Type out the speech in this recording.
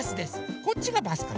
こっちがバスかな？